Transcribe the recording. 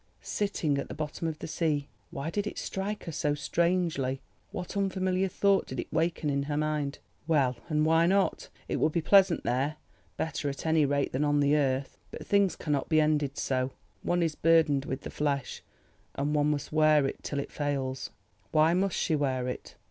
Sitting at the bottom of the sea—why did it strike her so strangely—what unfamiliar thought did it waken in her mind? Well, and why not? It would be pleasant there, better at any rate than on the earth. But things cannot be ended so; one is burdened with the flesh, and one must wear it till it fails. Why must she wear it?